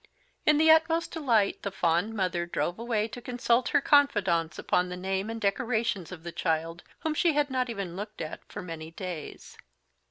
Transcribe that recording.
In the utmost delight the fond mother drove away to consult her confidants upon the name and decorations of the child, whom she had not even looked at for many days.